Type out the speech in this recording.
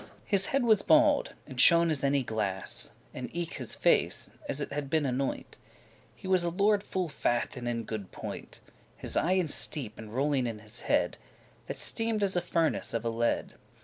His head was bald, and shone as any glass, And eke his face, as it had been anoint; He was a lord full fat and in good point; His eyen steep,* and rolling in his head, *deep set That steamed as a furnace of a lead.